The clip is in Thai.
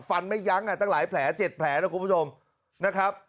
ฟันไม่ยั้งอ่ะตั้งหลายแผลเจ็ดแผลนะครับคุณผู้ชมนะครับ